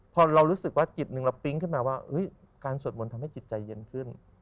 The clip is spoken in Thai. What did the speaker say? พอเรารู้สึกว่าจิตหนึ่งเราปิ๊งขึ้นมาว่าการสวดมนต์ทำให้จิตใจเย็นขึ้น